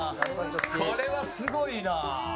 これはすごいな！